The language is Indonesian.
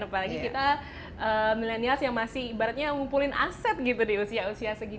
apalagi kita milenials yang masih ibaratnya ngumpulin aset gitu di usia usia segini